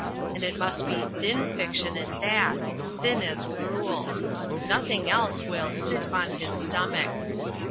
And it must be thin fiction at that thin as gruel. Nothing else will "sit on his stomach."